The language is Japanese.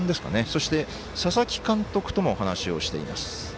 そして佐々木監督とも話をしています。